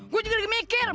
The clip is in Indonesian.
gue juga lagi mikir